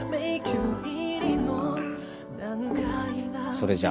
それじゃ。